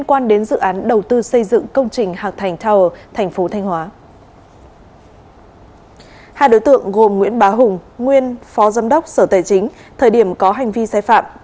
hai đối tượng gồm nguyễn bá hùng nguyên phó giám đốc sở tài chính thời điểm có hành vi sai phạm